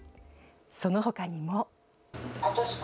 そのほかにも。